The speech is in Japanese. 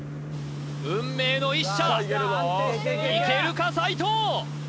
運命の一射いけるか斉藤！